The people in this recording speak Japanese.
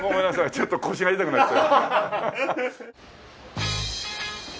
ちょっと腰が痛くなっちゃって。